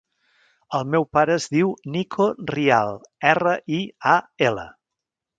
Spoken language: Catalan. El meu pare es diu Niko Rial: erra, i, a, ela.